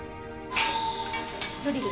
ドリル。